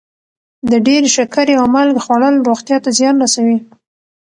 د ډېرې شکرې او مالګې خوړل روغتیا ته زیان رسوي.